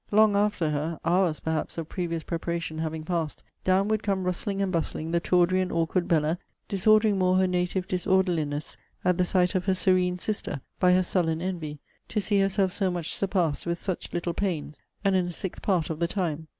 Long after her, [hours, perhaps, of previous preparation having passed,] down would come rustling and bustling the tawdry and awkward Bella, disordering more her native disorderliness at the sight of her serene sister, by her sullen envy, to see herself so much surpassed with such little pains, and in a sixth part of the time.